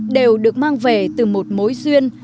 đều được mang về từ một mối duyên